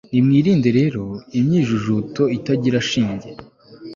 nimwirinde rero imyijujuto itagira shinge